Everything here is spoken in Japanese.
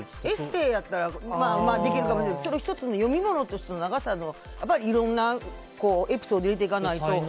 エッセーやったらできるかもしれんけど１つの読み物としての長さのいろんなエピソードを入れていかないと。